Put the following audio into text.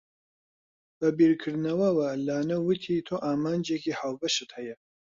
بە بیرکردنەوەوە لانە وتی، تۆ ئامانجێکی هاوبەشت هەیە.